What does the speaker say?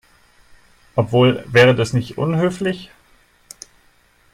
Obwohl, wäre das nicht unhöflich?